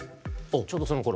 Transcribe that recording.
ちょうどそのころ？